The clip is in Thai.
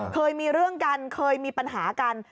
เคยมีเรื่องกันเคยมีปัญหากัน